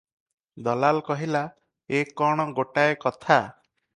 ଦଲାଲ କହିଲା, "ଏ କଣ ଗୋଟାଏ କଥା?